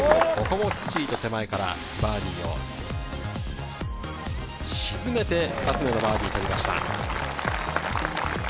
５、きっちり手前からバーディーを沈めて２つ目のバーディーを取りました。